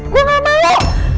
gue gak mau